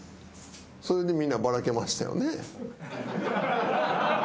それでみんなバラけましたよね。